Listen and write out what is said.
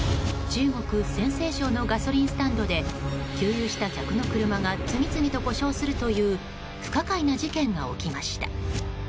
中国・陝西省のガソリンスタンドで給油した客の車が次々と故障するという不可解な事件が起きました。